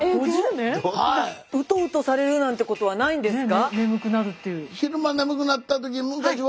うとうとされるなんていうことはないんですか？